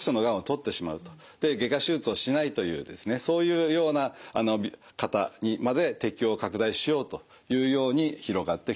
で外科手術をしないというですねそういうような方にまで適応を拡大しようというように広がってきてます。